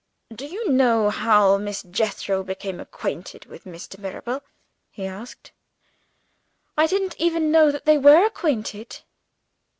"Do you know how Miss Jethro became acquainted with Mr. Mirabel?" he asked. "I didn't even know that they were acquainted."